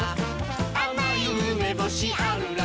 「あまいうめぼしあるらしい」